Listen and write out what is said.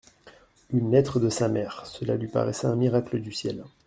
Une lettre de sa mère ! Cela lui paraissait un miracle du ciel.